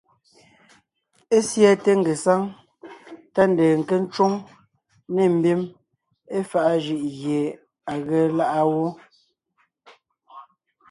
Ésiɛte ngesáŋ tá ndeen nke ńcwóŋ nê mbim éfaʼa jʉʼ gie à ge láʼa wó.